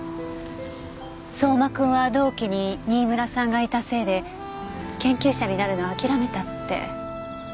相馬君は同期に新村さんがいたせいで研究者になるのを諦めたって。